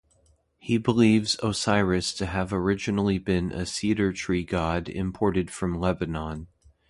He believes Osiris to have originally been a cedar-tree god imported from Lebanon.